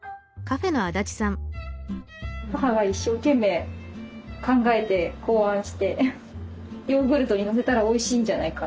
母が一生懸命考えて考案してヨーグルトにのせたらおいしいんじゃないかって。